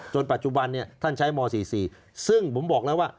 ปัจจุบันท่านใช้ม๔๔ซึ่งผมบอกแล้วว่า